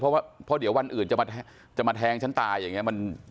เพราะเดี๋ยววันอื่นจะมาแทงฉันตายอย่างนี้